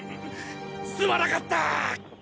すまなかった！